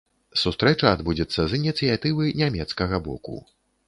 Сустрэча адбудзецца з ініцыятывы нямецкага боку.